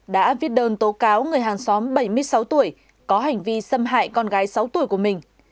đã viết đơn tố cáo người hàng xóm bảy mươi sáu tuổi có hành vi xâm hại con gái sáu tuổi của mình